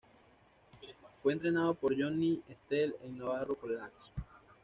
Fue entrenado por Johnny Estelle en "Navarro College".